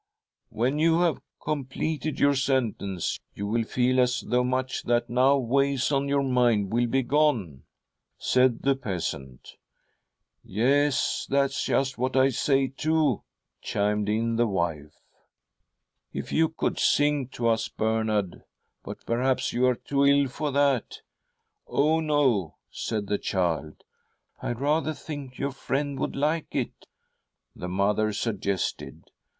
'■•' When you have completed your sentence, you will feel as though much that now weighs on your mind will be gone,' said the peasant. ' Yes, that's just what I say too,' chimed in the wife. "' If you could sing to us, Bernard — but perhaps you are too ill for that.' ' Oh, no !' said the child. ' I rather think your friend would like it,' the mother suggested.